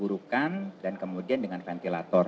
burukan dan kemudian dengan ventilator